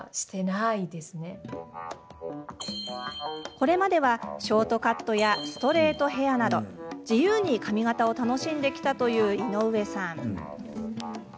これまでは、ショートカットやストレートヘアなど自由に髪形を楽しんできたという井上さん。